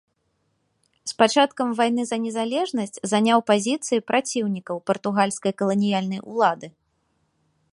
З пачаткам вайны за незалежнасць заняў пазіцыі праціўнікаў партугальскай каланіяльнай улады.